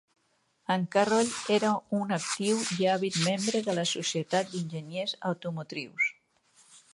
En Carroll era un actiu i àvid membre de la Societat d'Enginyers Automotrius.